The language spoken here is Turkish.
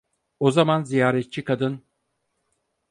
O zaman ziyaretçi kadın: